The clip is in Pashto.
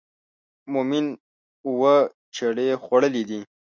مومن اووه چړې خوړلې دي.